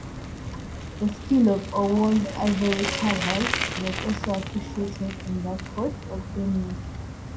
The skill of Owo's ivory carvers was also appreciated at the court of Benin.